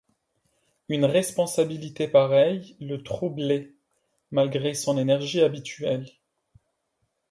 Une responsabilité pareille le troublait, malgré son énergie habituelle.